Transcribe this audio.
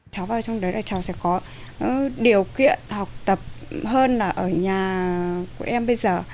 cháu vào trong đấy là cháu sẽ có điều kiện học tập hơn là ở nhà của em bây giờ